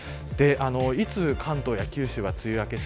いつ関東や九州が梅雨明けか